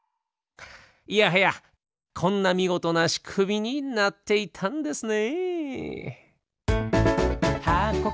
いやはやこんなみごとなしくみになっていたんですね。